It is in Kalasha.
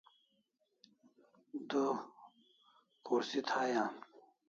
Du khursi thai am